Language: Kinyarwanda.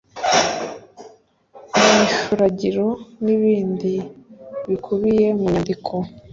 n imifuragiro n ibindi bikubiye mu nyandiko